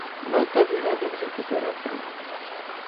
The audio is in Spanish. Más tarde David recuperó el trono.